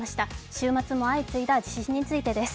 週末も相次いだ地震についてです。